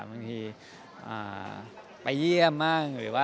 มีงานลาดที่มากกว่า